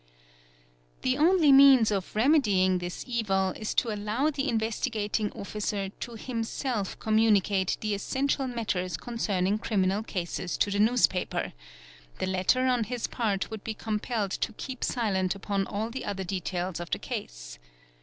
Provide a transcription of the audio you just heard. | The only means of remedying this evil is to allow the Investigating Officer to himself communicate the essential matters concerning crimina, cases to the newspaper; the latter on its part would be compelled tc keep silent upon all the other details of the case.